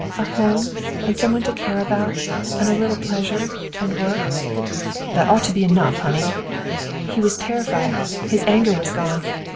A home, and some one to care about, and a little pleasure and work." "That ought to be enough, honey." He was terrified. His anger was gone.